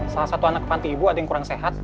salah satu anak panti ibu ada yang kurang sehat